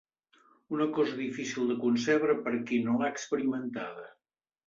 Una cosa difícil de concebre per a qui no l'ha experimentada